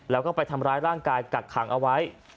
แล้วก็ไปทำร้ายร่างกายกักขังเอาไว้